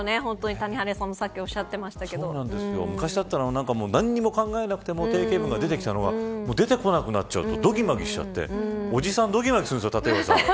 谷原さんも、さっきおっしゃってましたけど昔だったら何も考えなくても定型文が出てきていたのがもう出てこなくなっちゃってどぎまぎしちゃっておじさん、どぎまぎするでしょう